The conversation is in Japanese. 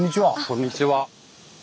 こんにちは。